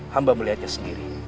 hamba melihatnya sendiri